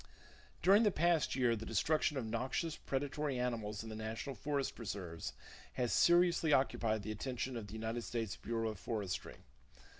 During the past year the destruction of noxious predatory animals in the national forest reserves has seriously occupied the attention of the United States Bureau of Forestry.